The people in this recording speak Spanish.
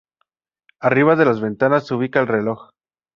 Arriba de las ventanas se ubica el reloj.